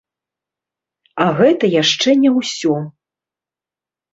А гэта яшчэ не ўсё.